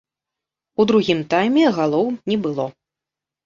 У другім тайме галоў не было.